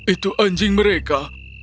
itu anjing mereka